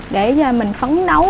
để mình phấn đấu